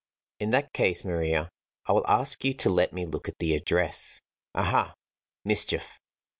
"In that case, Maria, I will ask you to let me look at the address. Aha! Mischief!"